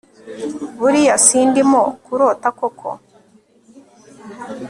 buriya sindimo kurota koko